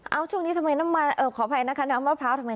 เอาช่วงนี้ทำไมน้ำมันขออภัยนะคะน้ำมะพร้าวทำไม